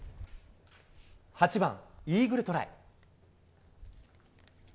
８番、イーグルトライ。